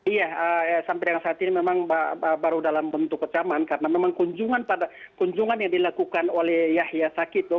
iya sampai dengan saat ini memang baru dalam bentuk kecaman karena memang kunjungan yang dilakukan oleh yahya saki itu